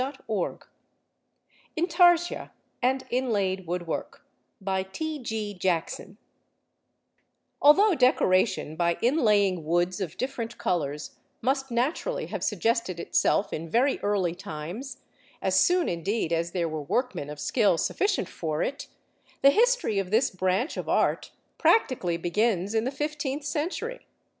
STEPHEN WEBB. INTARSIA AND INLAID WOOD WORK Although decoration by inlaying woods of different colours must naturally have suggested itself in very early times, as soon indeed as there were workmen of skill sufficient for it, the history of this branch of art practically begins in the fifteenth century.